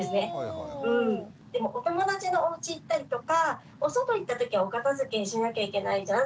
「でもお友達のおうち行ったりとかお外行ったときはお片づけしなきゃいけないじゃん。